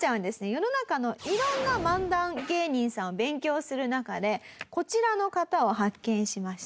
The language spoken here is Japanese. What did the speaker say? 世の中の色んな漫談芸人さんを勉強する中でこちらの方を発見しました。